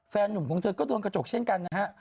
หนุ่มของเธอก็โดนกระจกเช่นกันนะฮะ